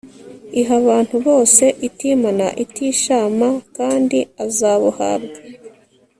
iha abantu bose itimana, itishama, kandi azabuhabwa